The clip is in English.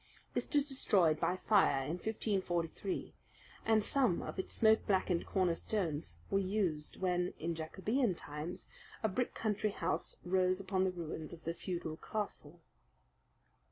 This was destroyed by fire in 1543, and some of its smoke blackened corner stones were used when, in Jacobean times, a brick country house rose upon the ruins of the feudal castle.